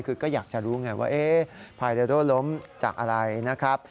คือก็อยากจะรู้ไงว่าพายเดโดล้มจากอะไรนะครับ